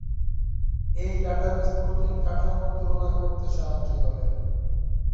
এই database protein কাঠামোর তুলনা করতে সাহায্য করে।